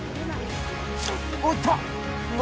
おいった！